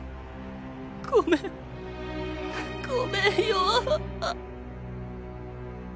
ごめんごめんよ。